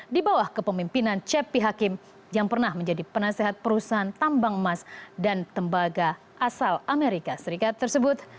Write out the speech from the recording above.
di bawah kepemimpinan cepi hakim yang pernah menjadi penasehat perusahaan tambang emas dan tembaga asal amerika serikat tersebut